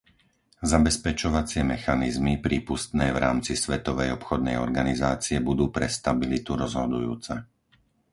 Zabezpečovacie mechanizmy prípustné v rámci Svetovej obchodnej organizácie budú pre stabilitu rozhodujúce.